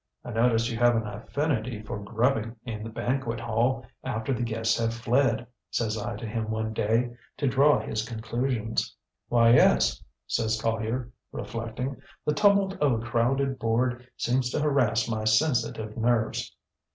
ŌĆ£ŌĆśI notice you have an affinity for grubbing in the banquet hall after the guests have fled, ŌĆÖ says I to him one day, to draw his conclusions. ŌĆ£ŌĆśWell, yes, ŌĆÖ says Collier, reflecting; ŌĆśthe tumult of a crowded board seems to harass my sensitive nerves.